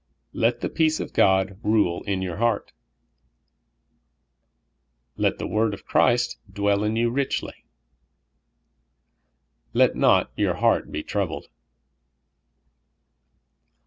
" Let the peace of God rule in your heart," " Let the word of Christ dwell in you richly," "Let not your heart be troubled.